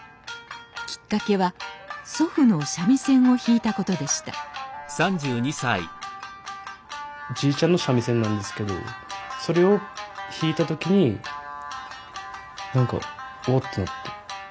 きっかけは祖父の三味線を弾いたことでしたじいちゃんの三味線なんですけどそれを弾いた時に何か「おっ」と思って。